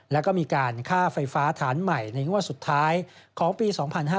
แล้วก็มีการค่าไฟฟ้าฐานใหม่ในงวดสุดท้ายของปี๒๕๕๙